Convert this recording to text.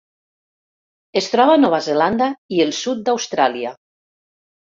Es troba a Nova Zelanda i el sud d'Austràlia.